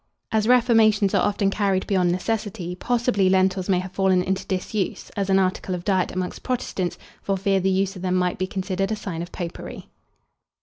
As reformations are often carried beyond necessity, possibly lentils may have fallen into disuse, as an article of diet amongst Protestants, for fear the use of them might be considered a sign of popery.